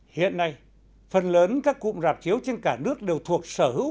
hiện nay phần lớn các cụm rạp chiếu trên cả nước đều thuộc sở hữu